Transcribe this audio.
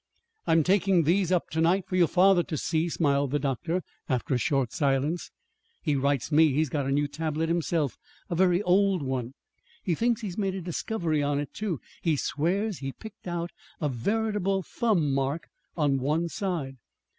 "I'm taking these up to night for your father to see," smiled the doctor, after a short silence. "He writes me he's got a new tablet himself; a very old one. He thinks he's made a discovery on it, too. He swears he's picked out a veritable thumb mark on one side."